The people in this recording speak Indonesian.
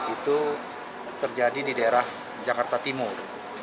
itu terjadi di daerah jakarta timur